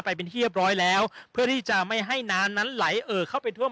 ไปเป็นที่เรียบร้อยแล้วเพื่อที่จะไม่ให้น้ำนั้นไหลเอ่อเข้าไปท่วม